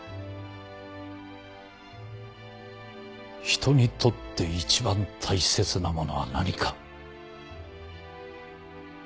人にとって一番大切なものは何か。